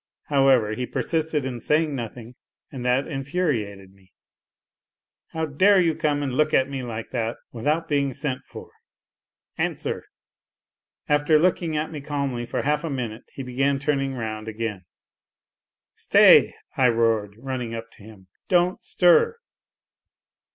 However, he persisted in saying nothing, and that infuriated me. " How dare you come and look at me like that without being sent for 1 Answer !" After looking at me calmly for half a minute, he began turning round again. " Stay !" I roared, running up to him, " don't stir